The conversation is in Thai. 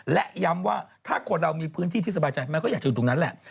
และย้ำว่าถ้าคนเรามีพื้นที่ที่สบายใจมันก็อยากจะอยู่ตรงนั้นแหละ